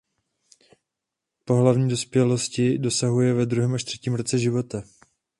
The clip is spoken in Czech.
Pohlavní dospělosti dosahuje ve druhém až třetím roce života.